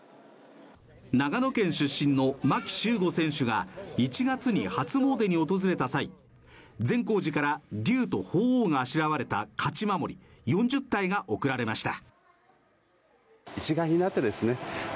長野県出身の牧秀悟選手が１月に初詣に訪れた際、善光寺から龍と鳳凰があしらわれた勝守、４０体が贈られました。